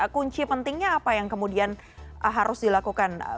kunci pentingnya apa yang kemudian harus dilakukan